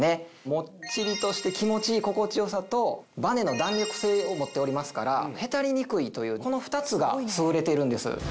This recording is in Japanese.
もっちりとして気持ちいい心地よさとバネの弾力性を持っておりますからへたりにくいというこの２つが優れているんです。